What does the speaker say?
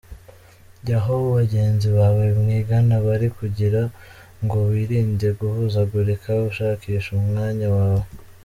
Jya aho bagenzi bawe mwigana bari kugira ngo wirinde guhuzagurika ushakisha umwanya wawe.